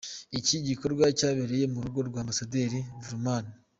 Iki gikorwa cyabereye mu rugo rwa Ambasaderi Vrooman.